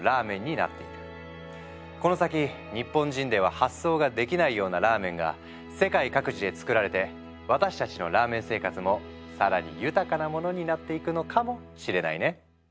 この先日本人では発想ができないようなラーメンが世界各地で作られて私たちのラーメン生活も更に豊かなものになっていくのかもしれないね。